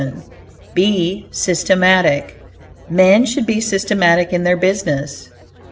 BE SYSTEMATIC Men should be systematic in their business.